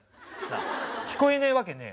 聞こえねえわけねえ。